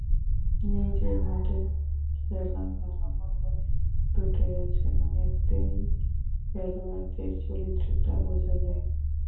নিজের মাঠে খেলা ভালো-মন্দ দুটোই আছে এবং এতেই খেলোয়াড়দের চরিত্রটা বোঝা যায়।